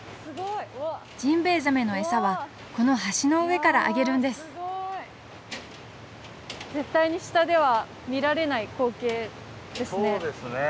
ジンベエザメの餌はこの橋の上からあげるんです絶対に下では見られない光景ですね。